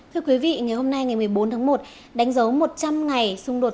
thưa quý vị ngày hôm nay ngày một mươi bốn tháng một đánh dấu một trăm linh ngày xung đột